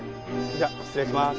じゃあ失礼します。